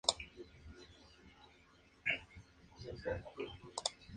Otros miembros de la familia tuvieron mejor suerte.